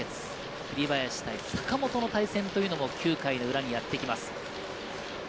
栗林対坂本の対戦も９回の裏にやってきます。